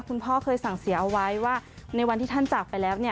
คุณพ่อเคยสั่งเสียเอาไว้ว่าในวันที่ท่านจากไปแล้วเนี่ย